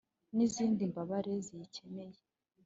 N izindi mbabare ziyikeneye